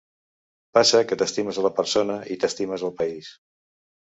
Passa que t’estimes a la persona i t’estimes al país.